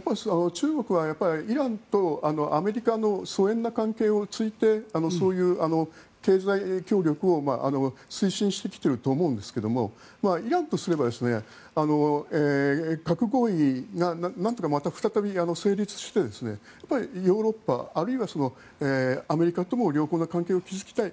中国はイランとアメリカの疎遠な関係を突いてそういう経済協力を推進してきていると思うんですがイランからすれば核合意がなんとか再び成立してヨーロッパあるいはアメリカとも良好な関係を築きたい。